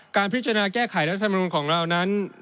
การพิจารณาแก้ไขรัฐมนุนของเรานั้น